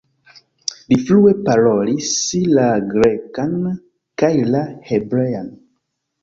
Li flue parolis la grekan kaj la hebrean.